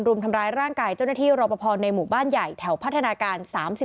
รุมทำร้ายร่างกายเจ้าหน้าที่รอปภในหมู่บ้านใหญ่แถวพัฒนาการ๓๔